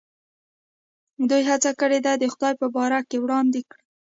دوی هڅه کړې ده د خدای په باره کې وړاندې کړي.